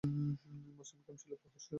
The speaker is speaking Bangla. মুসলিম ক্যাম্প ছিল পাহাড় সালা সংলগ্ন এলাকায়।